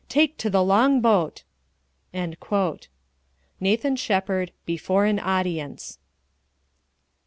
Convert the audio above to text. take to the longboat!" NATHAN SHEPPARD, Before an Audience.